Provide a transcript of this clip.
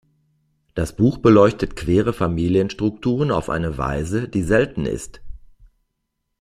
Das Buch beleuchtet queere Familienstrukturen auf eine Weise, die selten ist.